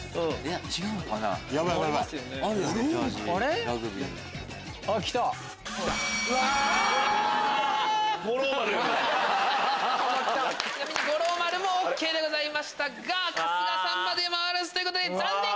ちなみに五郎丸もＯＫでございましたが春日さんまで回らずということで残念！